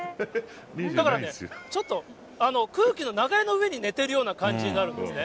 だからちょっと、空気の流れの上に寝てるような感じになるんですね。